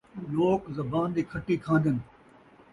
لوک زبان دی کھٹی کھان٘دن